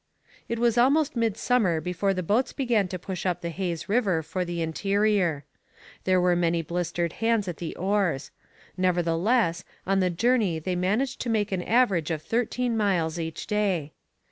It was almost midsummer before the boats began to push up the Hayes river for the interior. There were many blistered hands at the oars; nevertheless, on the journey they managed to make an average of thirteen miles each day.